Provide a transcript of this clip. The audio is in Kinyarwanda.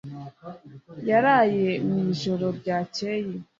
yaraye mu ijoro ryakeye